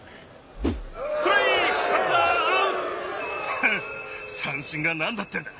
ふんっ三振が何だってんだ。